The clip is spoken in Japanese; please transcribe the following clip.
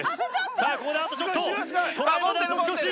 さあここであとちょっとトライまであと少し！